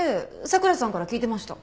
佐倉さんから聞いてました。